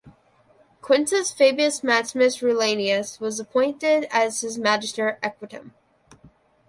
Quintus Fabius Maximus Rullianus was appointed as his magister equitum.